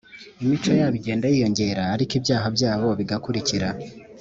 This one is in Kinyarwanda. imico yabo igenda yiyongera, ariko ibyaha byabo bigarukira;